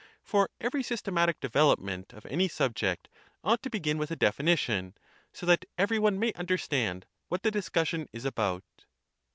For every systematic development of any subject ought to begin with a definition, so that every one may understand what the discussion is about.